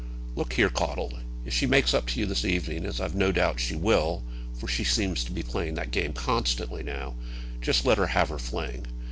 Look here, Caudle; if she makes up to you this evening, as I've no doubt she will, for she seems to be playing that game constantly now, just let her have her fling.